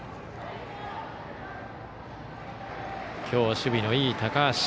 今日守備のいい高橋。